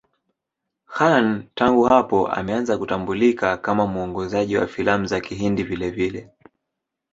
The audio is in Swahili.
Khan tangu hapo ameanza kutambulika kama mwongozaji wa filamu za Kihindi vilevile.